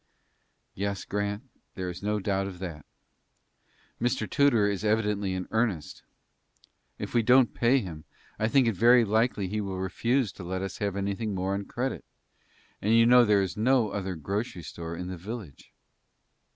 "Yes, Grant, there is no doubt of that. Mr. Tudor is evidently in earnest. If we don't pay him, I think it very likely he will refuse to let us have anything more on credit. And you know there is no other grocery store in the village."